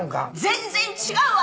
全然違うわ！